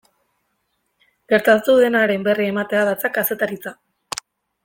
Gertatu denaren berri ematean datza kazetaritza.